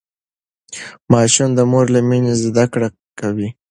ماشوم د مور له مينې زده کړه کوي.